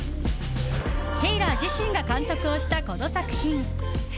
テイラー自身が監督をしたこの作品。